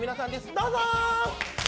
どうぞ！